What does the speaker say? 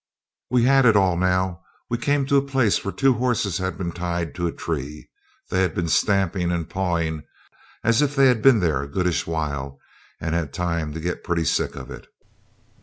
We had it all now. We came to a place where two horses had been tied to a tree. They had been stamping and pawing, as if they had been there a goodish while and had time to get pretty sick of it.